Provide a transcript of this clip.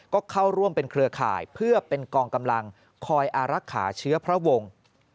ก็เข้าร่วมเป็นเครือข่ายเพื่อเป็นกองกำลังคอยอารักษาเชื้อพระวงศ์